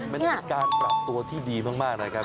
เป็นการปรับตัวที่ดีมากนะครับ